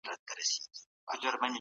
که بحث کېږي نو حقیقت نه پټېږي.